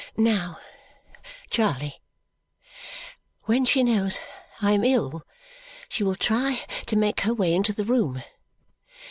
"Now, Charley, when she knows I am ill, she will try to make her way into the room.